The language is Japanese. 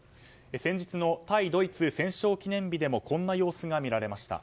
先日の対ドイツ戦勝記念日でもこんな様子が見られました。